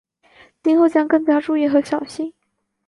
今后将更加注意和小心。